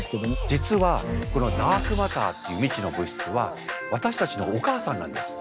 実はこのダークマターっていう未知の物質は私たちのお母さんなんです。